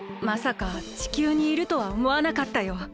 まさか地球にいるとはおもわなかったよ。